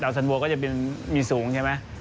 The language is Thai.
เราสนวงก็จะมีสูงใช่ไหม